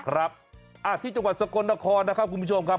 ครับที่จังหวัดสกลนครนะครับคุณผู้ชมครับ